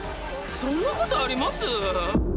そんなことあります？